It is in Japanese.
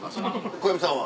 小籔さんは？